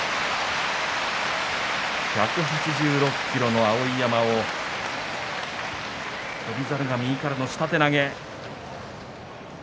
１８６ｋｇの碧山を翔猿が右からの下手投げ。